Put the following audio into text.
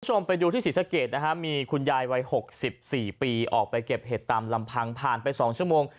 คุณผู้ชมไปดูที่ศรีสะเกดนะฮะมีคุณยายวัย๖๔ปีออกไปเก็บเห็ดตามลำพังผ่านไป๒ชั่วโมง